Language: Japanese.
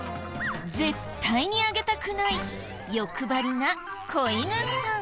絶対にあげたくない欲張りな子犬さん。